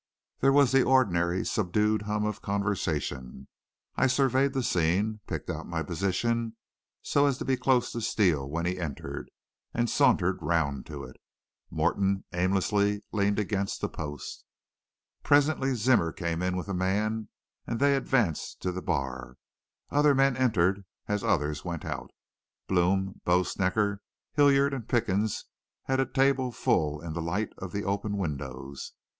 There was the ordinary subdued hum of conversation. I surveyed the scene, picked out my position so as to be close to Steele when he entered, and sauntered round to it. Morton aimlessly leaned against a post. "Presently Zimmer came in with a man and they advanced to the bar. Other men entered as others went out. Blome, Bo Snecker, Hilliard, and Pickens had a table full in the light of the open windows.